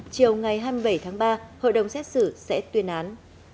chiều ngày hai mươi bảy tháng ba hội đồng xét xử sẽ tuyên án